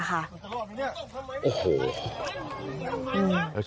หลายคน